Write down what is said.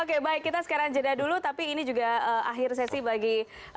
oke baik kita sekarang jeda dulu tapi ini juga akhir sesi bagi